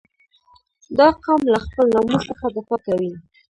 • دا قوم له خپل ناموس څخه دفاع کوي.